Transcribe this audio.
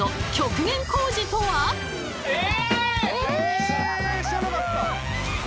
え！